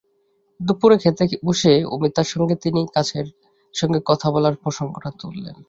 দুপুরে খেতে বসে অমিতার সঙ্গে তিনি গাছের সঙ্গে কথা বলার প্রসঙ্গটা তুললেন।